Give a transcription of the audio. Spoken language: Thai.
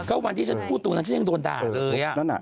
ก็วันที่ฉันพูดตรงนั้นฉันยังโดนด่าเลย